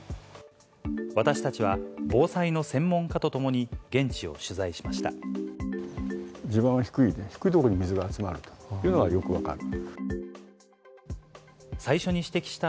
私たちは防災の専門家と共に、現地を取材しました。